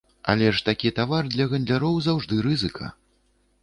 Але ж такі тавар для гандляроў заўжды рызыка.